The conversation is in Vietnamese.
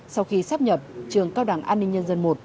sau khi sát nhập trường cao đẳng an ninh nhân dân một